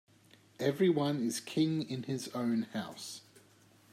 Every one is king in his own house.